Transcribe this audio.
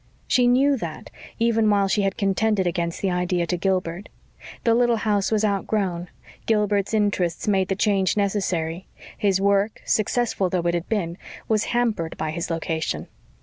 She knew that, even while she had contended against the idea to Gilbert. The little house was outgrown. Gilbert's interests made the change necessary; his work, successful though it had been, was hampered by his location.